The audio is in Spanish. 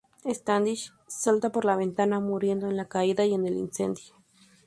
Standish salta por la ventana, muriendo en la caída y en el incendio.